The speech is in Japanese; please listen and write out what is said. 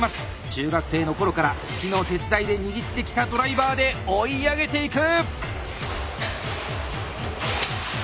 中学生の頃から父の手伝いで握ってきたドライバーで追い上げていく！